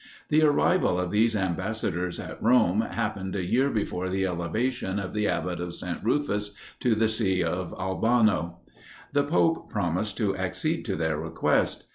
The arrival of these ambassadors at Rome happened a year before the elevation of the abbot of St. Rufus to the see of Albano. The pope promised to accede to their request.